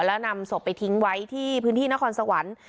แล้วนำศพไปทิ้งไว้ที่พื้นที่นครสวรรค์